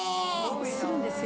するんですよ。